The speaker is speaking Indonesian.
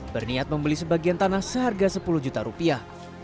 berniat membeli sebagian tanah seharga sepuluh juta rupiah